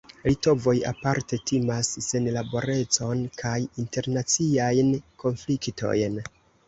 Litovoj aparte timas senlaborecon kaj internaciajn konfliktojn.